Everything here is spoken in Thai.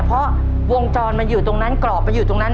เพราะวงจรมันอยู่ตรงนั้นกรอบมันอยู่ตรงนั้น